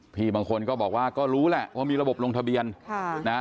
พี่บางคนก็บอกว่าแบบรู้แหละมีระบบลงทะเบียน